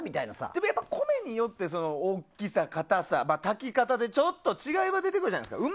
でもやっぱり米によって大きさ、硬さ、炊き方でちょっと違いは出るじゃないですか。